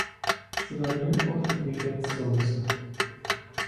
Zilanir Oliveira de Souza